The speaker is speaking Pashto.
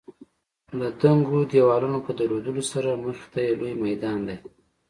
د دنګو دېوالونو په درلودلو سره مخې ته یې لوی میدان دی.